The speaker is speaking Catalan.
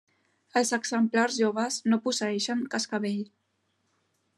Els exemplars joves no posseeixen cascavell.